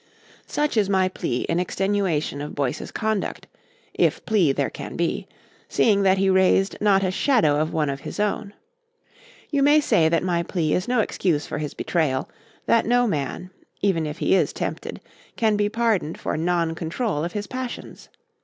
Such is my plea in extenuation of Boyce's conduct (if plea there can be), seeing that he raised not a shadow of one of his own. You may say that my plea is no excuse for his betrayal; that no man, even if he is tempted, can be pardoned for non control of his passions.